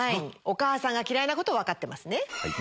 お母さんが嫌いなこと分かってますね。